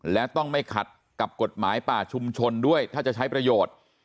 และต้องไม่ขัดกับกฎหมายป่าชุมชนด้วยถ้าจะใช้ประโยชน์